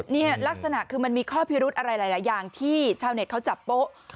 นี่ลักษณะคือมันมีข้อพิรุธอะไรหลายอย่างที่ชาวเน็ตเขาจับโป๊ะ